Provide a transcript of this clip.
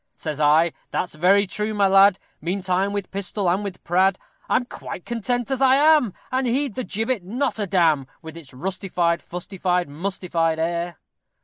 _" Says I, "That's very true, my lad; Meantime, with pistol and with prad, I'm quite contented as I am, And heed the gibbet not a d n! _With its rustified, fustified, mustified air!